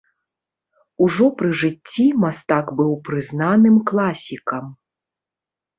Ужо пры жыцці мастак быў прызнаным класікам.